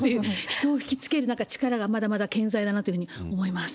人を引きつける力がまだまだ健在だなというふうに感じます。